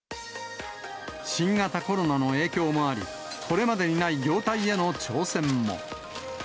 新型コロナの影響もあり、これまでにない業態への挑戦も。